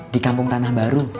di kampung tanah baru